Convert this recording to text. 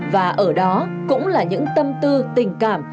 và ở đó cũng là những tâm tư tình cảm